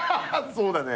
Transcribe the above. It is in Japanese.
そうだね。